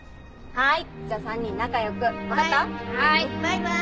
はい。